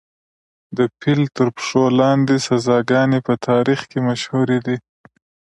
د پیل تر پښو لاندې سزاګانې په تاریخ کې مشهورې دي.